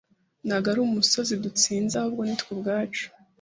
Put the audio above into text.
ntabwo ari umusozi dutsinze ahubwo ni twe ubwacu